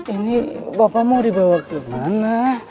ini bapak mau dibawa kemana